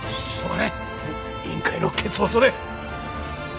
はい委員会の決をとれ！